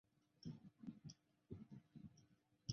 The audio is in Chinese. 天保六年僧稠参与小南海石窟的重新开凿。